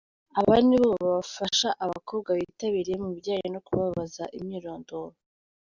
Aba nibo bafasha abakobwa bitabiriye mu bijyanye no kubabaza imyirondoro.